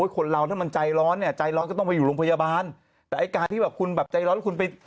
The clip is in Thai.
คนเราถ้ามันใจร้อนเนี่ยใจร้อนก็ต้องไปอยู่โรงพยาบาลแต่ไอ้การที่แบบคุณแบบใจร้อนคุณไป